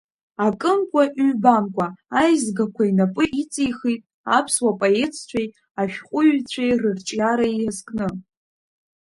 Акымкәа ҩбамкәа аизгақәа инапы иҵихит аԥсуа поетцәеи ашәҟәыҩҩцәеи рырҿиара иазкны.